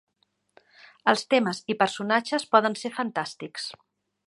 Els temes i personatges poden ser fantàstics.